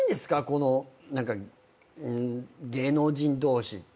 この何か芸能人同士って。